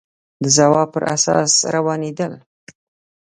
د ځواب پر اساس روانېدل